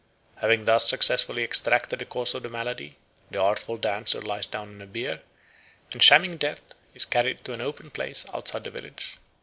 Having thus successfully extracted the cause of the malady, the artful dancer lies down on a bier, and shamming death is carried to an open place outside the village.